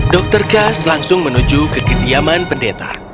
dokter kas langsung menuju ke kediaman pendeta